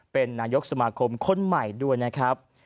เป็นนายกสมาคมคนใหม่ด้วยนะครับ